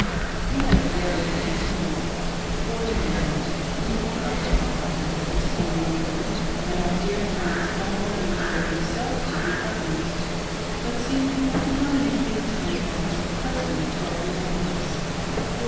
We had a very happy time — ^for the. moment, even / forget the cloud that was hanging over me, and our dear friends not only enjoyed themselves to the utmost, but seemed bent upon making the time pass pleas antly to everyone else.